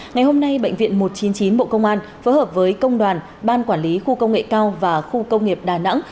ngày hôm nay bệnh viện một trăm chín mươi chín bộ công an phối hợp với công đoàn ban quản lý khu công nghệ cao và khu công nghiệp đà nẵng